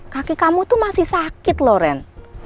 kaki kamu tuh masih sakit loh ren